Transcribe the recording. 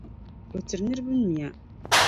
O tiri niriba nyuya.